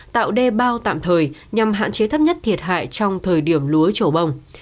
tạo đê bao tạm thời nhằm hạn chế thấp nhất thiệt hại trong thời điểm lúa trổ bông